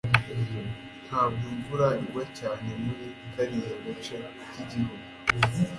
Ntabwo imvura igwa cyane muri kariya gace kigihugu